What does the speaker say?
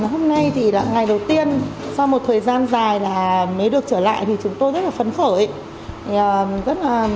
hôm nay thì là ngày đầu tiên sau một thời gian dài là mới được trở lại thì chúng tôi rất là phấn khởi